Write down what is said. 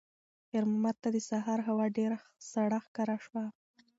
خیر محمد ته د سهار هوا ډېره سړه ښکاره شوه.